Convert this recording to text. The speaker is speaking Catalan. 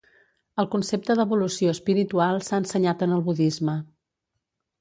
El concepte d'evolució espiritual s'ha ensenyat en el budisme.